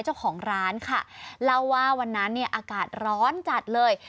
เจ้าของร้านค่ะเล่าว่าวันนั้นเนี่ยอากาศร้อนจัดเลย